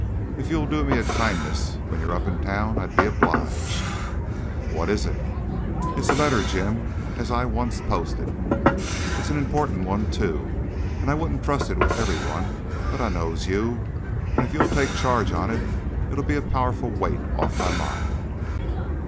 "If you'll do me a kindness when you're up in town I'd be obliged." "What is it?" "It's a letter, Jim, as I wants posted. It's an important one too, an' I wouldn't trust it with every one; but I knows you, and if you'll take charge on it it'll be a powerful weight off my mind."